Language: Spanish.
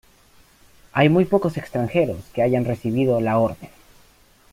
Hay muy pocos extranjeros que hayan recibido la Orden.